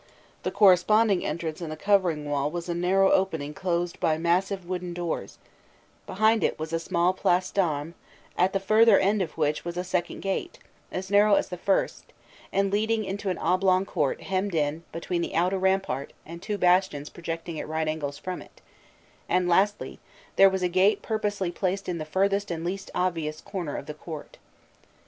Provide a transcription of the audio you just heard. The corresponding entrance in the covering wall was a narrow opening closed by massive wooden doors; behind it was a small place d'armes, at the further end of which was a second gate, as narrow as the first, and leading into an oblong court hemmed in between the outer rampart and two bastions projecting at right angles from it; and lastly, there was a gate purposely placed at the furthest and least obvious corner of the court.